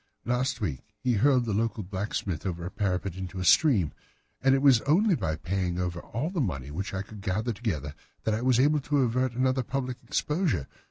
"Last week he hurled the local blacksmith over a parapet into a stream, and it was only by paying over all the money which I could gather together that I was able to avert another public exposure.